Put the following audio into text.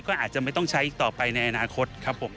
ก็อาจจะไม่ต้องใช้อีกต่อไปในอนาคตครับผม